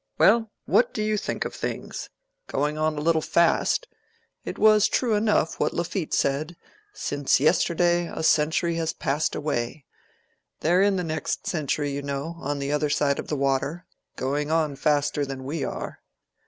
Well, what do you think of things?—going on a little fast! It was true enough, what Lafitte said—'Since yesterday, a century has passed away:'—they're in the next century, you know, on the other side of the water. Going on faster than we are."